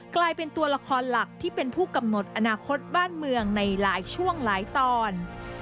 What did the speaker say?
กลายเป็นตัวละครหลักที่เป็นผู้กำหนดอนาคตบ้านเมืองในหลายช่วงหลายตอน